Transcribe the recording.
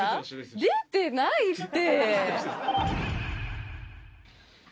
出てないって。